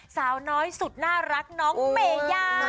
สาวน้อยสุดน่ารักน้องเมยา